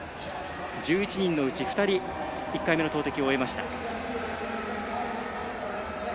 １１人のうち２人１回目の投てきを終えました。